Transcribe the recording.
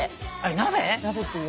鍋って言う。